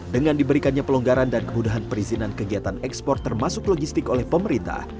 dengan diberikannya pelonggaran dan kemudahan perizinan kegiatan ekspor termasuk logistik oleh pemerintah